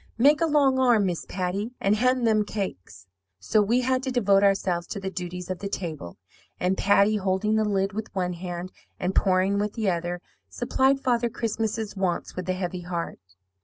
Make a long arm, Miss Patty, and hand them cakes.' "So we had to devote ourselves to the duties of the table; and Patty, holding the lid with one hand and pouring with the other, supplied Father Christmas's wants with a heavy heart.